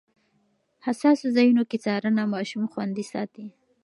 حساسو ځایونو کې څارنه ماشوم خوندي ساتي.